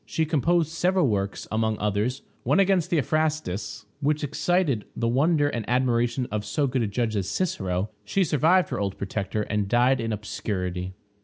She composed several works; among others, one against Theophrastus, which excited the wonder and admiration of so good a judge as Cicero. She survived her old protector, and died in obscurity.